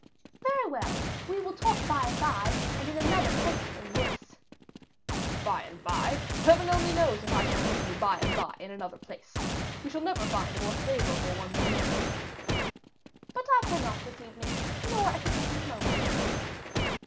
"Very well, we will talk by and by, and in another place than this." "By and by! Heaven only knows if I shall meet you by and by in another place. We shall never find a more favorable one than this." "But I cannot this evening, nor at the present moment."